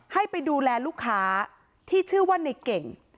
ให้ไปดูแลลูกค้าที่ชื่อว่าในเก่ง